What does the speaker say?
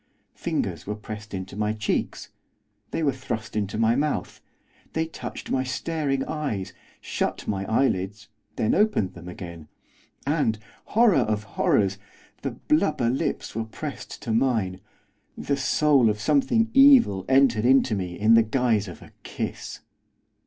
Fingers were pressed into my cheeks, they were thrust into my mouth, they touched my staring eyes, shut my eyelids, then opened them again, and horror of horrors! the blubber lips were pressed to mine the soul of something evil entered into me in the guise of a kiss.